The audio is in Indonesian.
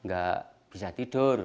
gak bisa tidur